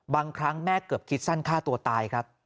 บางครั้งแม่เกือบคิดสั้นฆ่าตัวตายครับ